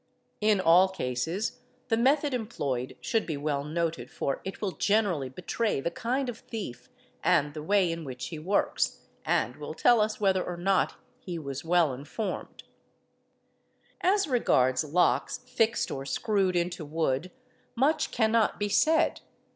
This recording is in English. In all cases the method employed should ~ be well noted, for it will generally betray the kind of thief and he | way in which he works, and will tell us whether or' not he was well informed. ff ; ENTERING BY THE DOOR 735 As regards locks fixed or screwed into wood much cannot be said.